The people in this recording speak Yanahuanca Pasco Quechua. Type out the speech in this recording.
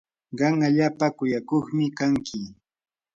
qam allaapa kuyakuqmi kanki.